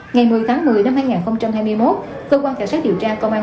ngày một mươi tháng một mươi năm hai nghìn hai mươi một cơ quan cảnh sát điều tra công an